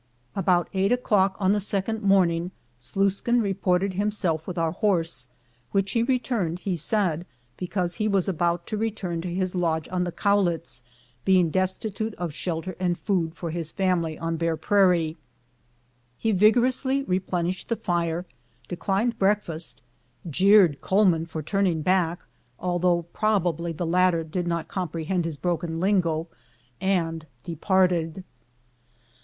About eight o'clock on the second morning, Sluiskin reported himself with our horse, which he returned, he said, because he was about to return to his lodge on the Cowlitz, being des K 139 MOUNT RAINIEB titute of shelter and food for his family on Bear Prairie. He vigorously replenished the fire, declined breakfast, jeered Coleman for turning back, although probably the latter did not comprehend his broken lingo, and departed.